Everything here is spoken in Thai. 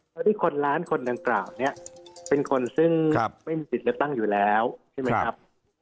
เพราะที่คนล้านคนดังกล่าวเนี่ยเป็นคนซึ่งไม่มีสิทธิ์เลือกตั้งอยู่แล้วใช่ไหมครับ